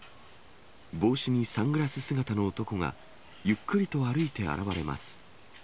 帽子にサングラス姿の男が、ゆっくりと歩いて現われます。